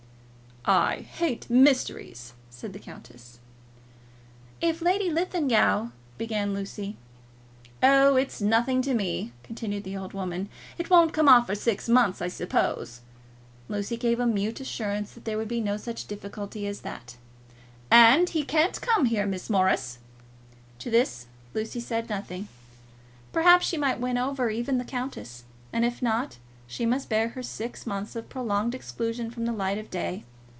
"I hate mysteries," said the countess. "If Lady Linlithgow " began Lucy. "Oh, it's nothing to me," continued the old woman. "It won't come off for six months, I suppose?" Lucy gave a mute assurance that there would be no such difficulty as that. "And he can't come here, Miss Morris." To this Lucy said nothing. Perhaps she might win over even the countess, and if not, she must bear her six months of prolonged exclusion from the light of day.